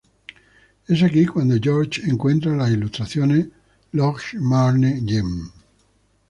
Es aquí cuando George encuentra las ilustraciones Lochmarne-gem.